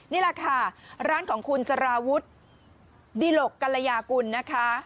นี่แหละค่ะร้านของคุณสารวุฒิดิหลกกัลยากุลนะคะ